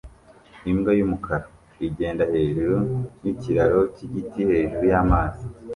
Imbwa yumukara igenda hejuru yikiraro cyigiti hejuru yamazi